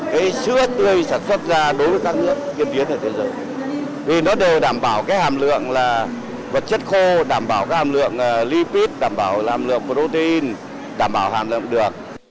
cái sữa tươi sản xuất ra đối với các nước tiên biến ở thế giới thì nó đều đảm bảo cái hàm lượng là vật chất khô đảm bảo cái hàm lượng lipid đảm bảo hàm lượng protein đảm bảo hàm lượng được